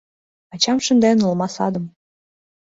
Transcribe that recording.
Ачам шынден олма садым